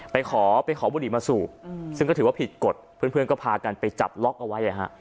ไปขอไปขอบุหรี่มาสูบซึ่งก็ถือว่าผิดกฎเพื่อนก็พากันไปจับล็อกเอาไว้